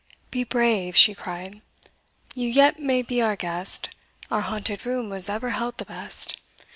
"Be brave," she cried, "you yet may be our guest, Our haunted room was ever held the best.